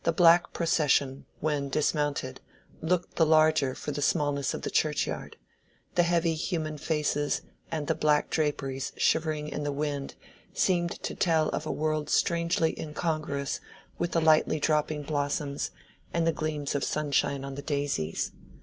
The black procession, when dismounted, looked the larger for the smallness of the churchyard; the heavy human faces and the black draperies shivering in the wind seemed to tell of a world strangely incongruous with the lightly dropping blossoms and the gleams of sunshine on the daisies.